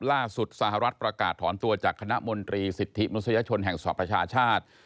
ล่าสุดสหรัฐธรรมดิ์ภายประกาศถอนตัวจากคณะมนตรีสิทธิมนุษยชนแห่งสอบประชาชาติ